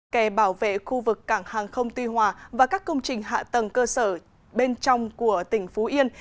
kè bảo vệ khu vực cảng hàng không tuy hòa và các công trình hạ tầng cơ sở bên trong của tỉnh phú yên